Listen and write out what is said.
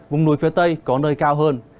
vùng núi phía tây có nơi cao hơn